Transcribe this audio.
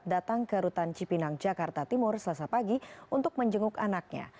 datang ke rutan cipinang jakarta timur selasa pagi untuk menjenguk anaknya